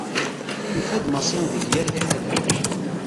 Yufa-d Massi deg yir lḥala.